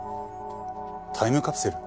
「タイムカプセル」？